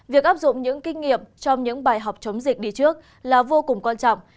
việc áp dụng những kinh nghiệm trong những bài học chống dịch đi trước là vô cùng quan trọng